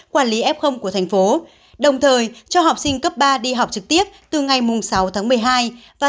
quản lý f của thành phố đồng thời cho học sinh cấp ba đi học trực tiếp từ ngày sáu tháng một mươi hai và